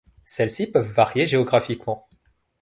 Celles-ci peuvent varier géographiquement.